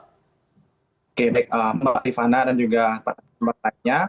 oke baik mbak rifana dan juga para teman lainnya